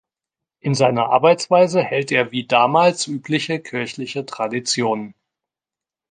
In seiner Arbeitsweise hält er wie damals übliche kirchliche Traditionen.